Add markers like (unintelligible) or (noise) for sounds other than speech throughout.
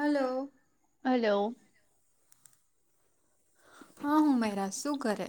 Hello (unintelligible) હા હુંમેરા શું કરે?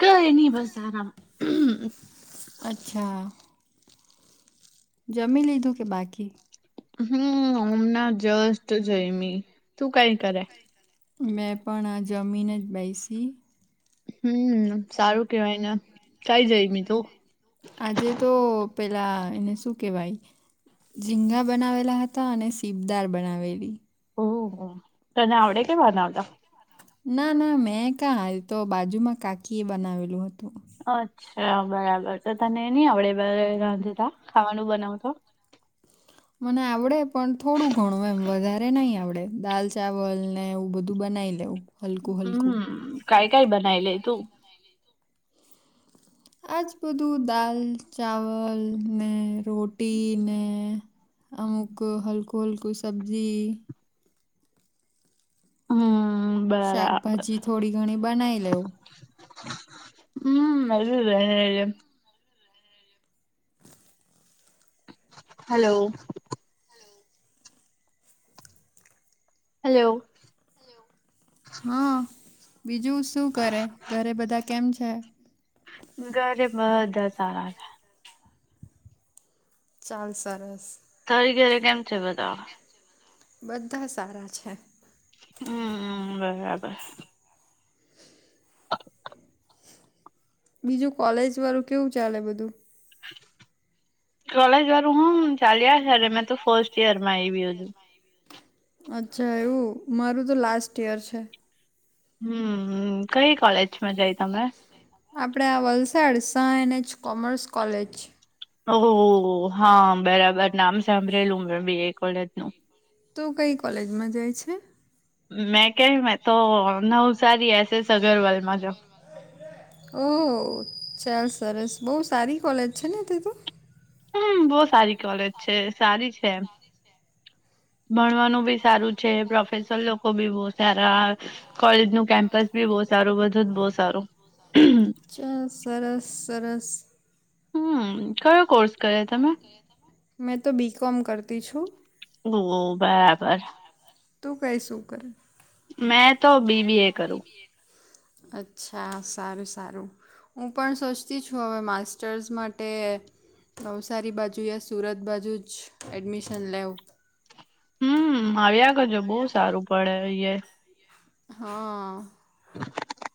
કઈ નહી બસ આરામ હમ અચ્છા! જમી લીધું કે બાકી. હમ્મ હમના જસ્ટ જયમી તું કાઈ કરે. મેં પણ આ જમીને જ બેસી. હમ્મ સારું કેવાય ને કાય જયમી તુ? આજે તો પેલા એને શું કેહેવાય ઝીંગા બનાવેલા હત તા અને સીપદાર બનાવેલી. ઓ હો તને આવડે કે બનાવતા. ના ના મેં કા એતો બાજુમાં કાકી એ બનાવેલું હતું. અચ્છા બરાબર તો તને ની આવડે (unintelligible) રાંધતા ખાવાનું બનાવતા. મને આવડે પણ થોડું ઘણું એમ વધારે નહી આવડે દાલ ચાવલ ને એવું બધું બનાઈ લેવું. હલકું હલકું. હમ કઈ કઈ (unintelligible) બનાવી લે તું આજ બધું દાલ- ચાવલ ને રોટી ને અમુક હલકું, હલકુ સબ્જી. હમ્મ બરાબર. શાકભાજી થોડી ઘણી બનાવી લેવું (unintelligible) હમ્મ. (unintelligible) હલો. હેલો. હા બીજું શું કરે ઘરે બધા કેમ છે? ઘરે બધા સારા છે. ચાલ સરસ. તારી ઘેરે કેમ છે બધા? બધા સારા છે. હમ્મ બરાબર. (unintelligible) બીજું કોલેજ વાળું કેવું ચાલે બધું? કોલેજ વાળું હ ચાલ્યા કરે મેં તો ફર્સ્ટ યર માં આયવી અજુ. અચ્છા, એવું મારું તો લાસ્ટ યર છે. હમ્મ હમ્મ.. કઈ કોલેજમાં જાય તમે? આપણા આ Valsad Shah N. H. Commerce college. ઓહો હો હો હા બરાબર નામ સાંભળેલું મેબી એ કોલેજ નું. તુ કઈ કોલેજમાં જાય છે? મેં કય મે તો નવસારી એસ એસ અગરવાલમાં જાઉ (unintelligible) ઓહ ચાલ સરસ બહુ સારી કોલેજ છે ને તે તો. હમ્મ.. બો સારી કોલેજ છે સારી છે એમ. ભણવાનું બી સારું છે પ્રોફેસર લોકો બી બો સારા કોલેજ નું કેમ્પસ બી બો સારું બધું જ બો સારું. હમ ચા સરસ સરસ. હમ્મ કયો કોર્સ કયો કર્યો કોર્સ તમે કર્યો તમે મેં તો બી કોમ કરતી છું. ઓ (unintelligible) બરાબર. તું કંઈ શું કરે? મેં તો બીબીએ કરું. અચ્છા સારું સારું. હું સોચતી છું હવે માટે નવસારી બાજુ યા સુરત બાજુ જ એડમિશન લેવ હમ આવ્યા કરજો બહુ સારું પડે અ હા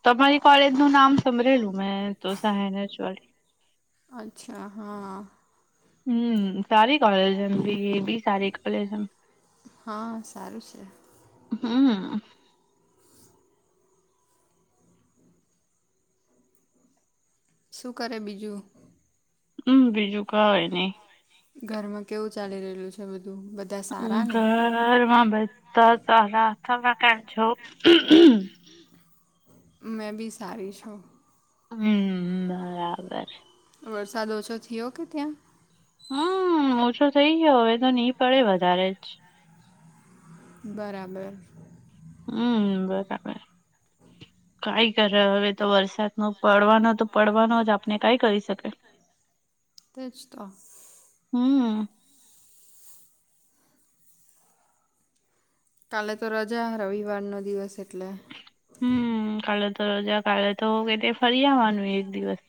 તમારી કોલેજ નું નામ સંભળેલું મેં તો સહેળ રજવાડી અચ્છા હા હમ સારી કોલેજ એમ બી બી સારી કોલેજ એમ હા સારું છે હમ્મ શું કરે બીજું હમ બીજું કાય નઈ ઘરમાં કેવું ચાલી રહેલું છે બધું સારા ને ઘરમાં બધા સારા (unintelligible) છો મેં બી સારી છું હમ બરાબર વરસાદ ઓછો થયો કે ત્યાં હમ ઓછો થઇ ગયો હવે તો નહી પડે વધારે જ બરાબર હમ બરાબર કઈ કર હવે તો વરસાદ નો પડવાનો તો પડવાનો જ આપને કઈ કરી શકે તે જ તો હમ્મ કાલે તો રજા રવિવાર નો દિવસ એટલે હમ કાલે તો રજા કાલે તો કે ફરી આવવાનું એક દિવસ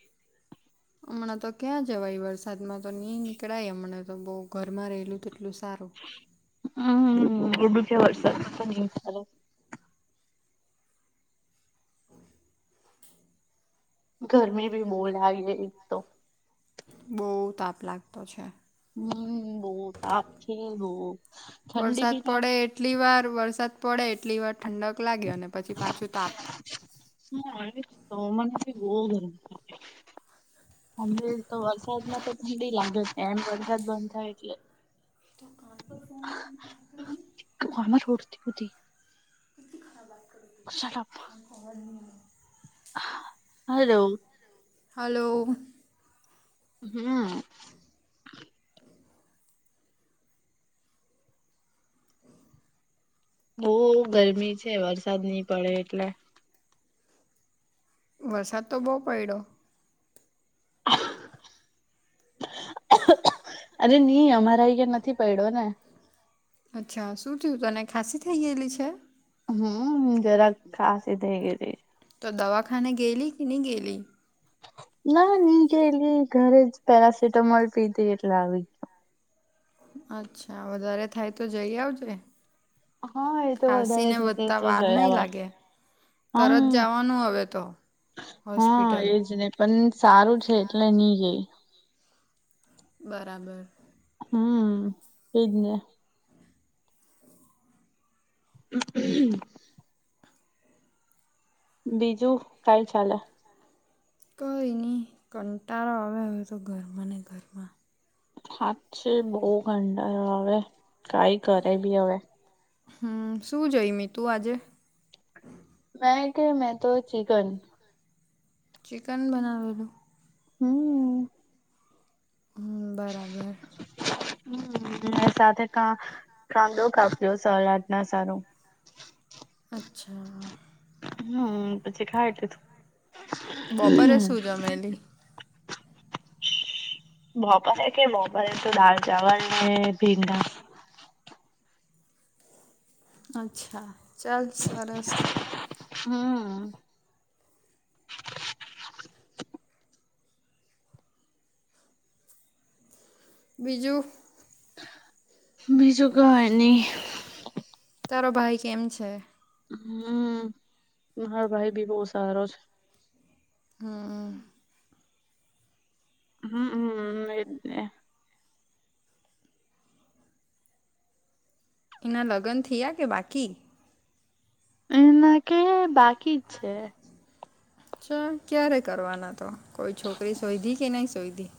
હમણાં તો ક્યાં જવાય વરસાદમાં તો ની નીકળાય હમણાં તો બહ ઘરમાં રહેલું તેટલું સારું હમ્મ એ ભી છે વરસાદ (unintelligible) ઘરમી ભી બો લગે એક તો બો તાપ લાગતો છે હમ બો આખીનો ઠંડી વરસાદ બીના પડે એટલી વાર વરસાદ પડે એટલી વાર ઠંડક લાગે અને પછી પાછું તાપ હા તો મનેથી બહ ગરથ ઠંજ તો વરસાદમાં તો ઠંડી લાગે છે એમ વરસાદ બંધ થાય એટલે દુકાન પર કેમ (unintelligible) અમાર હોડતીધ હુધી તીખા બાત કરું અસા લગા ખબર (unintelligible) હલો. હલો. હા. (inaudible) બહુ ગરમી છે, વરસાદ નહીં પડે એટલે. વરસાદ તો બહુ પઈડો. (unintelligible) અરે ની, અમારે અહીંયા નથી પડ્યો ને. અચ્છા. શું થયું તને? ખાંસી થઈ ગયેલી છે? હમ્મ. જરાક ખાંસી થઇ ગયેલી છ. તો દવાખાને ગયેલી કે નહીં ગયેલી? ના ની ગયેલી. ઘરે જ પેરાસિટામોલ પીધી એટલે આવી. અચ્છા. વધારે થાય તો જઈ આવજે. હા એ તો વધારે ખાંસીને થશે વધતા તો વાર જઈ નહીં આવાય લાગે. તરત હમ જવાનું હવે તો હોસ્પિટલ. પન સારું છે એટલે ની ગઈ. બરાબર. હમ્મ. ઈજ ને. (inaudible) બીજું કાંઈ ચાલે? કંઈ ની. કંટાળો આવે હવે તો ઘરમાં ને ઘરમાં. સાચે બઉ કંટાળો આવે. કાંઈ કરે બી હવે. હમ્મ. શું જઈમી તું આજે? મેઈ કે મેં તો ચિકન. ચિકન બનાવેલું. હમ્મ. હમ્મ બરાબર. હમ્મ. ને સાથે કા કાંદો કાપ્યો, સલાટ ના સારું. અચ્છા. હમ્મ, પછી ખાય બપોરે લીધું. શું જમેલી બપોરે કહે, બપોરે તો દાળ ચાવલ ને ભીંડા. અચ્છા. ચાલ સરસ. હમ્મ. બીજું? બીજું કંઈ નહીં. તારો ભાઈ કેમ છે? હમ્મ. મારો ભાઈ બી બહુ સારો છે. હમ્મ. હમ્મ-હમ્મ. એજ ને. એના લગન થયા કે બાકી? એના કે બાકી જ છે. (unintelligible) ક્યારે કરવાના તો? કોઈ છોકરી શોઈધી કે નહીં શોઈધી?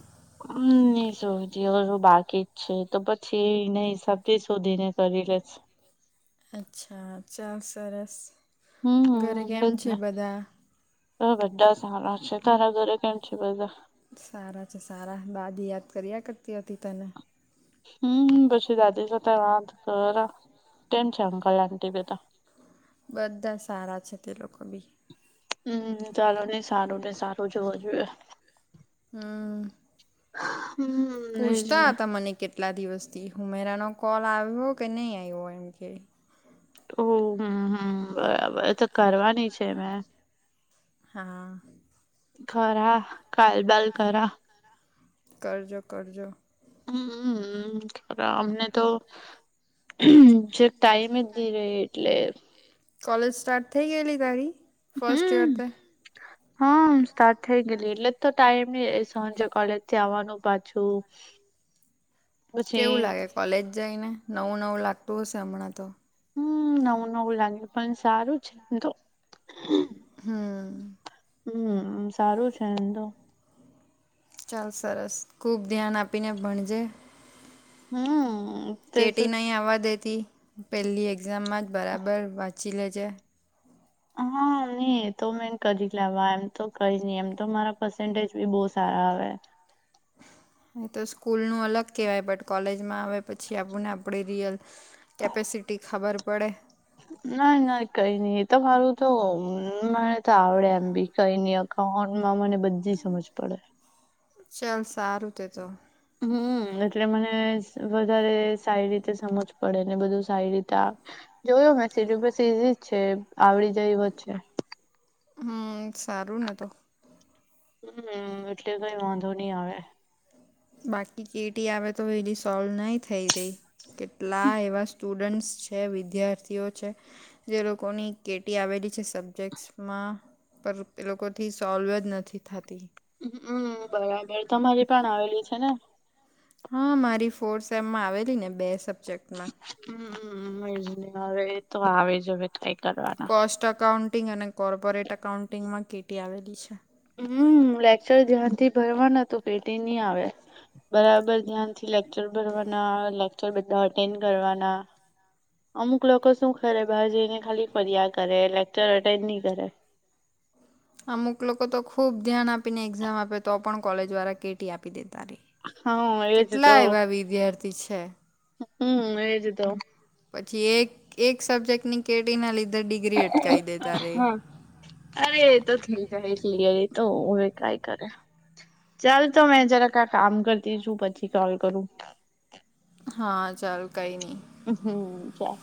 અમ્મ નહીં શોઈધી. હવે હજુ બાકી જ છે, તો પછી એ એના હિસાબ થી જ શોધીને કરી લેશ. અચ્છા. ચાલ સરસ. ઘરે કેમ છે બધા? હા બધા સારા છે તારા ઘરે કેમ છે બધા? સારા છે સારા દાદી યાદ કર્યા કરતી હતી તને. હમ પછી દાદી સાથે વાત કરવા કેમ છે અંકલ આટી બધા? બધા સારા છે તે લોકો બી. હમ ચાલો ને સારું ને સારું જ હોવુ જોઈએ. હમ હમ એજ પૂછતા ને હતા મને કે કેટલા દિવસથી હું મીરાનો કોલ આવ્યો કે નહી આવ્યો એમ કે. ઓ હમ હમ બરાબર તો કરવાની છે મેં. હા. કરા કાલબાલ કરા. કરજો કરજો. હમ હમ હમ અમને તો જે ટાઈમ નહીં રહે એટલે. કોલેજ સ્ટાર્ટ થઇ ગયેલી તારી ફર્સ્ટ યર હમ તે. હા સ્ટાર્ટ થઈ ગયેલી એટલે તો ટાઈમ નઈ મળે સાંજે કોલેજથી આવવાનું પાછું. કેવું પછી લાગે કોલેજ જઈને નવું નવું લાગતું હશે હમણાં તો? હમ નવું નવું લાગ્યું પણ સારું છે એમ તો. હમ્મ હમ સારું છે એમ તો. ચાલ સરસ ખુબ ધ્યાન આપીને ભણજે. હમ્મ કેટી નહીં આવવા દેતી પહેલી એક્ઝામમાં જ બરાબર વાંચી લેજે. હા નહી એ તો મે કરી જ લેવા એમ તો કઈ નહી એમ તો મારા પસેન્ટેજ બી બહું સારા આવે. એહી તો સ્કૂલ નુ અલગ કહેવાય કોલેજમાં આવે પછી આપુંને આપણે રિયલ કેપેસિટી ખબર પડે. ના ના કઈ નઈ તો મારું તો મને તો આવડે એમ બી. કઈ નહિ અઉન્ટમાં મને બધી સમજ પડે. ચાલ સારું તે તો. હમ્મ એટલે મને વધારે સારી રીતે સમજ પડે ને બધું સારી રીતે જોયો મેં બધું ઇઝી જ છે આવડી જાય એવ છેે. હમ સારું ને તો. હમ્મ એટલે કઈ વાંધો નહી આવે. બાકી કેટી આવે તો એ સોલ્વ નહી થઈ રહી, કેટલા એવા સ્ટુડન્ટ્સ છે વિદ્યાર્થીઓ છે. જે લોકોની કેટી આવેલી છે સબ્જેક્ટમાં. પર એ લોકોથી સોલ્વ જ નથી થતી. હમ બરાબર તમારી પણ આવેલી છે ને? હા મારી ફોર્થ સેમમાં આવેલી ને બે સબ્જેક્ટ હમમ એજ નહી હવે તો આવે જવે કઈ કરવાના. ફર્સ્ટ અકાઉન્ટિંગ અને કોર્પોરેટ અકાઉન્ટિંગમાં કે ટી આવેલી છે હમ લેક્ચર ધ્યાન થી ભરવાનું હતું તો કે ટી નહીં આવે. બરાબર ધ્યાન થી લેક્ચર ભરવાના લેક્ચર બધા અટેન્ડ કરવાના. અમુક લોકો શું કરે ખાલી બાાર જેને ખાલી ફરિયા કરે લેકચર અટેન્ડ નહી કરે. અમુક લોકો તો ખુબ ધ્યાન આપીને એક્ઝામ આપે તો પણ કોલેજ વાળા કેટી આપી દેતા રે હા એજ તો કેટલા એવા વિદ્યાર્થી છે. હમ એજ તો પછી એક એક સબ્જેક્ટ ની કેટીના લીધે ડિગ્રી અટકાવી દેતા રેય હા અરે એ તો ઈ જાય ક્લિયર એ તો હોવે કાઈ કરે ચાલ તો મેં જરાક આ કામ કરતી છું પછી કોલ કરું હા ચાલ કઈ નહી. હ હમ ચાલ.